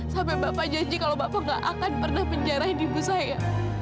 sampai bapak janji kalau bapak gak akan pernah menjarahin ibu saya